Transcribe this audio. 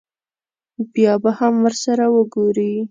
بیا به هم ورسره وګوري.